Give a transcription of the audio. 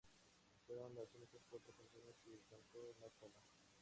Fueron las únicas cuatro funciones que cantó en la sala.